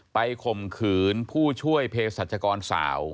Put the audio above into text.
ไปคมขืนผู้ช่วยเพศจัตรย์กรสาว